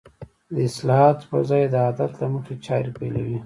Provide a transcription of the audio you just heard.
د اصلاحاتو په ځای د عادت له مخې چارې پيلوي.